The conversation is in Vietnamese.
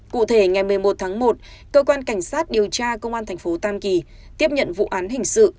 cụ thể ngày một mươi một tháng một cơ quan cảnh sát điều tra công an thành phố tam kỳ tiếp nhận vụ án hình sự